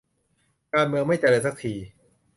การเมืองไม่เจริญสักที